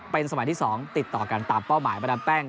เป็นสมัยที่๒ติดต่อกันตามเป้าหมายมาดามแป้ง